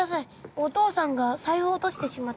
お父さんが財布を落としてしまって。